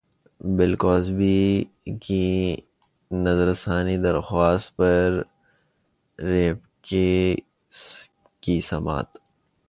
بل Cosby کی نظرثانی درخواست پر ریپ کیس کی سماعت